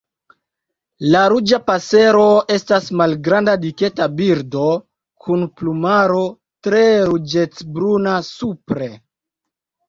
La Ruĝa pasero estas malgranda diketa birdo, kun plumaro tre ruĝecbruna supre.